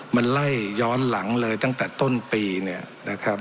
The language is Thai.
มันไล่ย้อนหลังเลยตั้งแต่ต้นปีเนี่ยนะครับ